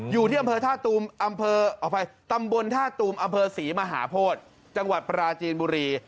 อยู่ที่ตำบลท่าตูมอำเภอศรีมหาโพธจังหวัดปราจีนบุรี